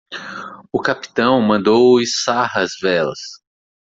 O capitão mandou içar as velas.